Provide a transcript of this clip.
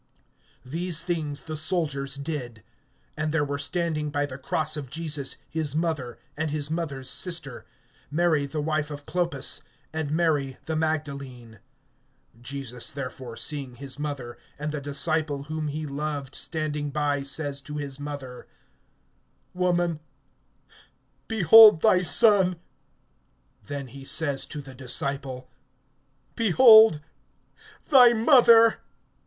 These things the soldiers did. (25)And there were standing by the cross of Jesus his mother, and his mother's sister, Mary the wife of Clopas, and Mary the Magdalene. (26)Jesus therefore seeing his mother, and the disciple whom he loved standing by, says to his mother: Woman, behold thy son! (27)Then he says to the disciple: Behold thy mother!